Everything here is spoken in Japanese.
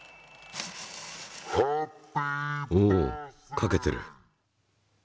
おおっ書けてる。